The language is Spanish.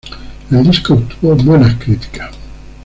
El disco obtuvo buenas críticas.